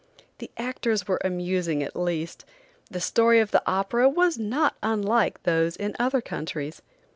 The actors were amusing, at least. The story of the opera was not unlike those in other countries.